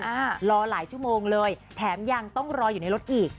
อ่ารอหลายชั่วโมงเลยแถมยังต้องรออยู่ในรถอีก